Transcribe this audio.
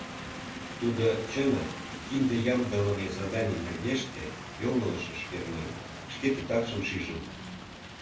Тудо, чынак, кинде ямдылыме заданий нергеште йоҥылышыш пернен, шке титакшым шижын.